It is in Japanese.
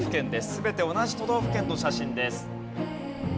全て同じ都道府県の写真です。